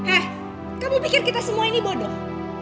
eh kamu pikir kita semua ini bodoh